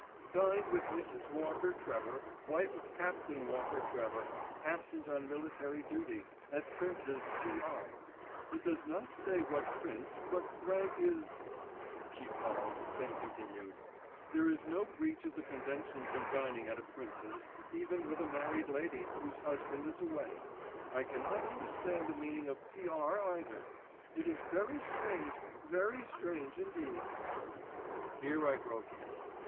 "Dined with Mrs. Walker Trevor, wife of Captain Walker Trevor, absent on military duty, at Princes, P.R. It does not say what prince, but rank is——" She paused, then continued: "There is no breach of the conventions in dining at a prince's, even with a married lady whose husband is away. I cannot understand the meaning of P.R. either. It is very strange, very strange indeed." Here I broke in.